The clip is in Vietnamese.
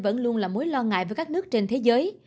vẫn luôn là mối lo ngại với các nước trên thế giới